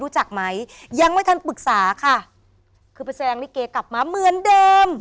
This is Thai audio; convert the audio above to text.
รู้จักไหมยังไม่ทันปรึกษาค่ะคือประเศรษฐ์แรงลิเกย์กลับมาเหมือนเดิม